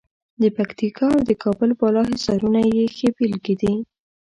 د پکتیا او د کابل بالا حصارونه یې ښې بېلګې دي.